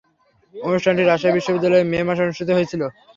অনুষ্ঠানটি রাজশাহী বিশ্বনিদ্যালয়ে মে মাসে অনুষ্ঠিত হয়েছিলো।